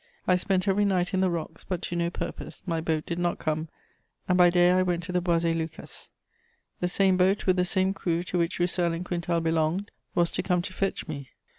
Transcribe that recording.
I spent every night in the rocks, but to no purpose; my boat did not come, and by day I went to the Boisé Lucas'. The same boat, with the same crew, to which Roussel and Quintal belonged, was to come to fetch me.